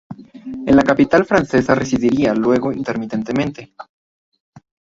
En la capital francesa residiría luego intermitentemente.